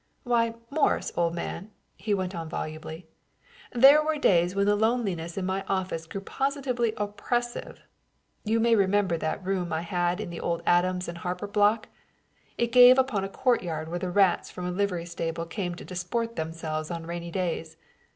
"Why, Morris, old man," he went on volubly, "there were days when the loneliness in my office grew positively oppressive. You may remember that room I had in the old Adams and Harper Block? It gave upon a courtyard where the rats from a livery stable came to disport themselves on rainy days.